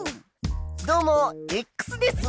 どうもです！